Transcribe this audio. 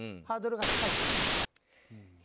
ハードルが高いといえます。